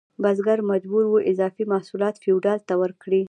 بزګر مجبور و اضافي محصولات فیوډال ته ورکړي.